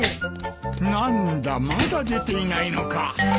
何だまだ出ていないのか。